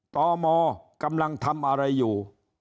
ตมกำลังทำอะไรอยู่